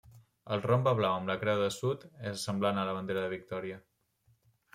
El rombe blau amb la Creu del Sud és semblant a la bandera de Victòria.